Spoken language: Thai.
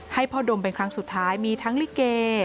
ให้พ่อดมเป็นครั้งสุดท้ายมีทั้งลิเก